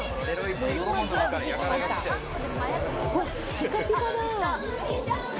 ピカピカだ。